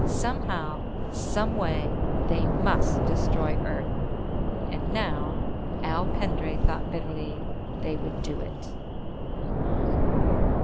Somehow, some way, they must destroy Earth. And now, Al Pendray thought bitterly, they would do it.